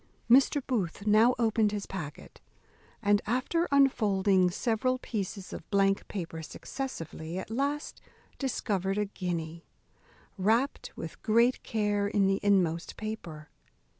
Mr. Booth now opened his packet, and, after unfolding several pieces of blank paper successively, at last discovered a guinea, wrapt with great care in the inmost paper.